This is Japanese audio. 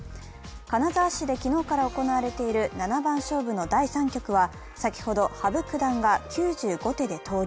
金沢市で昨日から行われている七番勝負の第３局は先ほど羽生九段が９５手で投了。